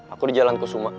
aku di jalan kusuma